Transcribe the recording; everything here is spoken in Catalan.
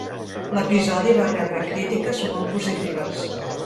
L'episodi va rebre crítiques molt positives.